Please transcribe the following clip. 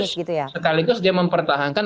sekaligus sekaligus dia mempertahankan